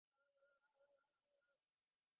তখন লুকিয়ে আমাকে আভাস দেয়।